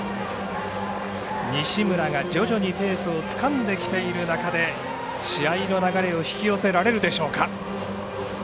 西村が徐々にペースをつかんできている中で試合の流れを引き寄せられるでしょうか。